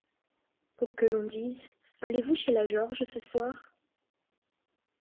Pour que l'on dise : «Allez-vous chez la George, ce soir ?